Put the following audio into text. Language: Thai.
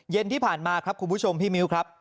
เย็นที่ผ่านมาครับคุณผู้ชมพี่มิ้วครับ